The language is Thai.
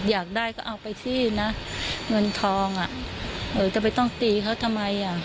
อยากได้ก็เอาไปที่นะเงินทองอ่ะเออจะไปต้องตีเขาทำไมอ่ะ